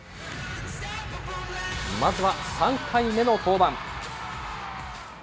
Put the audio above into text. まずは３回目の登板。